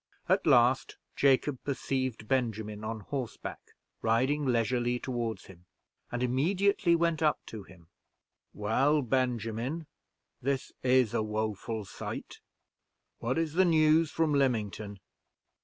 At last, Jacob perceived Benjamin on horseback riding leisurely toward him, and immediately went up to him. "Well, Benjamin, this is a woeful sight. What is the news from Lymington?"